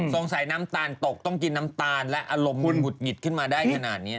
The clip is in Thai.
สงสัยน้ำตาลตกต้องกินน้ำตาลและอารมณ์หุดหงิดขึ้นมาได้ขนาดนี้